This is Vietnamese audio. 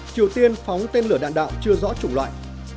triều tiên phóng tên lửa đạn đạo chưa rõ chủng loại